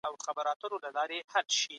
د باطلې لاري څخه مال مه ترلاسه کوئ.